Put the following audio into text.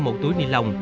một túi ni lông